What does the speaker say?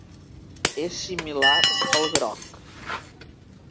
És similar al grog.